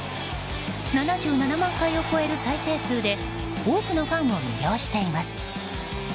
７７万回を超える再生数で多くのファンを魅了しています。